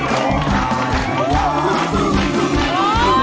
ได้ครับ